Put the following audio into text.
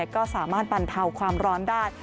ก็สามารถบรรเทาความร้อนได้